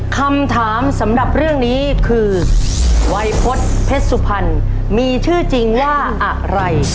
คำถามสำหรับเรื่องอีกคือวัยพศเทศุพรมีชื่อจริงว่าร่าย